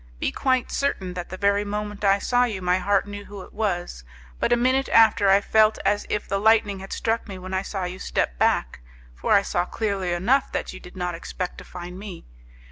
Be quite certain that the very moment I saw you my heart knew who it was, but a minute after I felt as if the lightning had struck me when I saw you step back, for I saw clearly enough that you did not expect to find me.